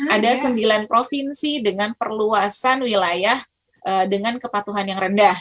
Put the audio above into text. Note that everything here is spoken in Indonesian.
ada sembilan provinsi dengan perluasan wilayah dengan kepatuhan yang rendah